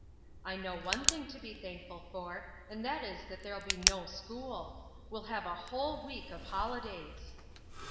"I know one thing to be thankful for, and that is that there'll be no school. We'll have a whole week of holidays."